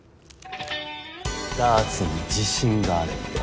ダーツに自信があるんで。